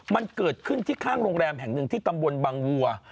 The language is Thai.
มันเกิดขึ้นที่ข้างโรงแรมแห่งหนึ่งที่ตำบลบังวัว